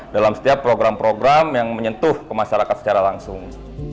dalam setiap program program yang menyentuh ke masyarakat secara langsung